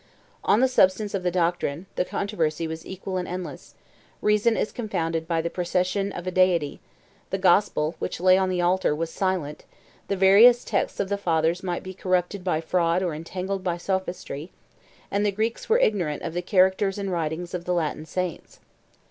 On the substance of the doctrine, the controversy was equal and endless: reason is confounded by the procession of a deity: the gospel, which lay on the altar, was silent; the various texts of the fathers might be corrupted by fraud or entangled by sophistry; and the Greeks were ignorant of the characters and writings of the Latin saints.